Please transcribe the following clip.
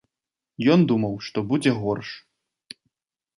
Ён думаў, што будзе горш.